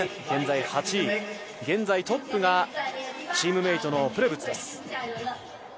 現在８位、現在トップがチームメートのプレブツです。